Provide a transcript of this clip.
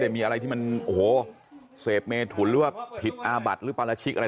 เดี๋ยวลองฟังเสียงหน่อยย้อนไปดูหน่อย